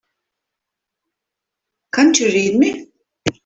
Can't you read me?